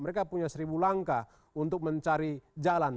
mereka punya seribu langkah untuk mencari jalan